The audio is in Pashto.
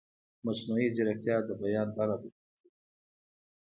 مصنوعي ځیرکتیا د بیان بڼه بدله کوي.